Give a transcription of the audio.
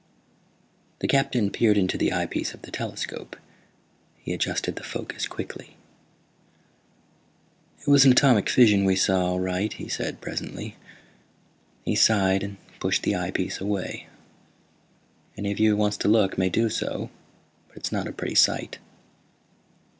_ The Captain peered into the eyepiece of the telescope. He adjusted the focus quickly. "It was an atomic fission we saw, all right," he said presently. He sighed and pushed the eyepiece away. "Any of you who wants to look may do so. But it's not a pretty sight."